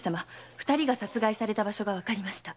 二人が殺害された場所がわかりました。